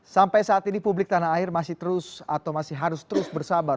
sampai saat ini publik tanah air masih terus atau masih harus terus bersabar